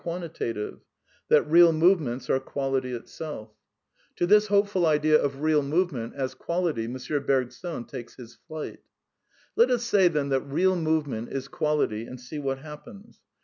quantitative — that real movements are "quality itself. '^^ VITALISM 63 To this hopeful idea of real movement as quality M. Sergson takes his flight Let us say, then, that " real " movement is quality and see what happens.